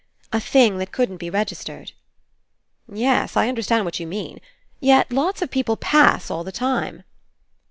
A thing that couldn't be regis tered." "Yes, I understand what you mean. Yet lots of people 'pass' all the time."